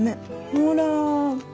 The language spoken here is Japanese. ほら。